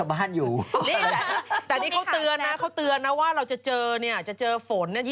เพราะว่าเราจะเจอเนี่ยจะเจอฝน